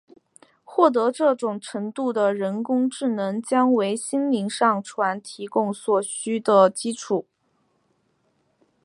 获得这种程度的人工智能将为心灵上传提供所需的基础。